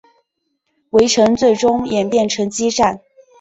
围城最终演变成激战。